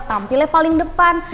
tampilnya paling depan